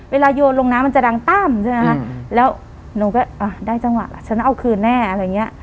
เวลาโยนลงน้ำมันจะดังตั้มแล้วนูก็ได้จังหวะฉันเอาคืนแน่